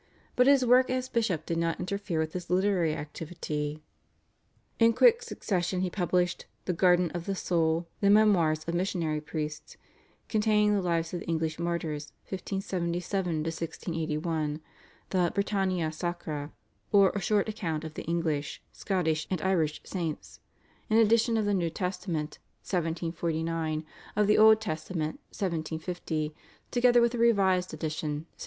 But his work as bishop did not interfere with his literary activity. In quick succession he published /The Gardin of the Soul/, /The Memoirs of Missionary Priests/, containing the Lives of the English Martyrs (1577 1681), the /Britannia Sacra/, or a short account of the English, Scottish and Irish Saints, an edition of the New Testament (1749), of the old Testament (1750), together with a revised edition (1752).